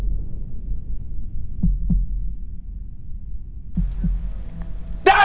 ร้องได้ร้องได้